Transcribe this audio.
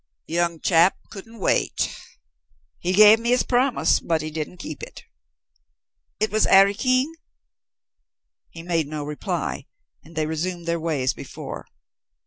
"Young chap couldn't wait. He gave me his promise, but he didn't keep it." "It was 'Arry King?" He made no reply, and they resumed their way as before.